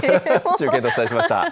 中継でお伝えしました。